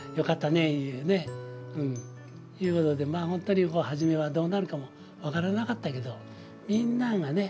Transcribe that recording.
いうことでまあほんとに初めはどうなるかも分からなかったけどみんながね